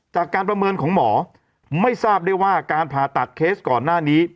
จากการประเมินของหมอไม่ทราบได้ว่าการผ่าตัดเคสก่อนหน้านี้